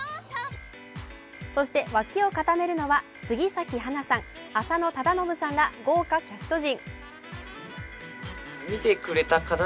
そして、脇を固めるのは杉咲花さん浅野忠信さんら豪華キャスト陣。